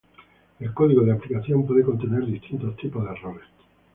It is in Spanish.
El código de aplicación puede contener distintos tipos de errores.